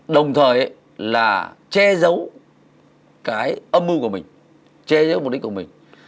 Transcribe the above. đồng thời là che giấu cái âm mưu của mình che giấu mục đích của mình